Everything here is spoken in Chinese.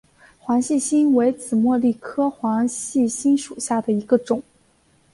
黄细心为紫茉莉科黄细心属下的一个种。